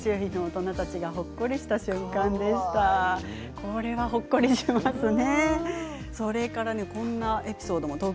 これはほっこりしますね。